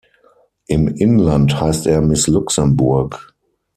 Im Inland heißt er "Miss Luxembourg".